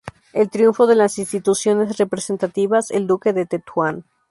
El triunfo de las instituciones representativas"; "El Duque de Tetuán.